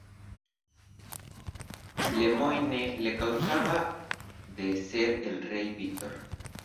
Lemoine le acusa de ser el Rey Víctor.